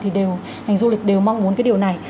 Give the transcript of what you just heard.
thì đều ngành du lịch đều mong muốn cái điều này